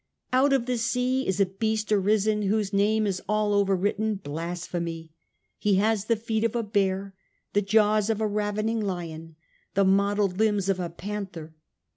" Out of the sea is a beast arisen, whose name is all over written ' Blasphemy '; he has the feet of a bear, the jaws of a ravening lion, the mottled limbs of a panther.